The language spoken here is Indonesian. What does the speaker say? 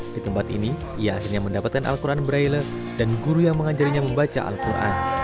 di tempat ini ia akhirnya mendapatkan al quran brailles dan guru yang mengajarinya membaca al quran